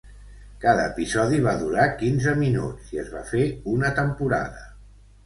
Cada episodi va durar quinze minuts i es va fer una temporada.